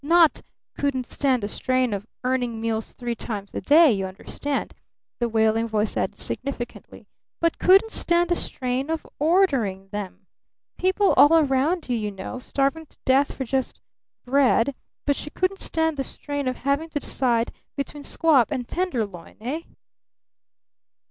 Not 'couldn't stand the strain of earning meals three times a day' you understand," the wailing voice added significantly, "but couldn't stand the strain of ordering 'em. People all around you, you know, starving to death for just bread; but she couldn't stand the strain of having to decide between squab and tenderloin! Eh?"